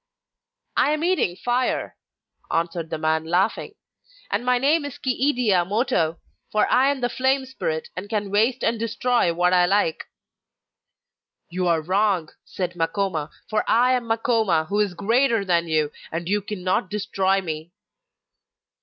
'I am eating fire,' answered the man, laughing; 'and my name is Chi idea moto, for I am the flame spirit, and can waste and destroy what I like.' 'You are wrong,' said Makoma; 'for I am Makoma, who is "greater" than you and you cannot destroy me!